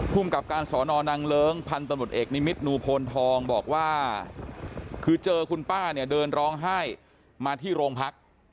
กับการสอนอนางเลิ้งพันธุ์ตำรวจเอกนิมิตนูพลทองบอกว่าคือเจอคุณป้าเนี่ยเดินร้องไห้มาที่โรงพัก